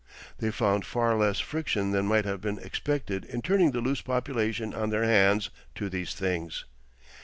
They found far less friction than might have been expected in turning the loose population on their hands to these things.